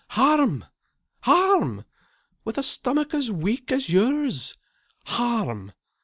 "Harm! Harm! With a stomach as weak as yours! Harm!